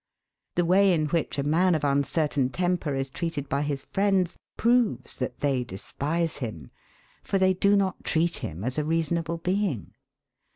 The way in which a man of uncertain temper is treated by his friends proves that they despise him, for they do not treat him as a reasonable being.